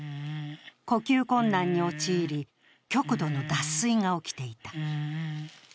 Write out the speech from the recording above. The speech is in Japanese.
呼吸困難に陥り、極度の脱水が起きていた。